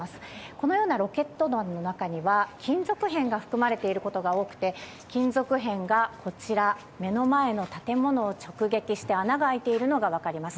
このようなロケット弾の中には金属片が含まれていることが多くて、金属片が目の前の建物を直撃して穴が開いているのが分かります。